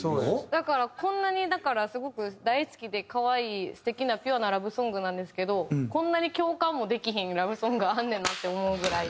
だからこんなにだからすごく大好きで可愛い素敵なピュアなラブソングなんですけどこんなに共感もできひんラブソングあるねんなって思うぐらい。